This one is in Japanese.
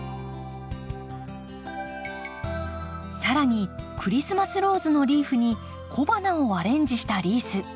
更にクリスマスローズのリーフに小花をアレンジしたリース。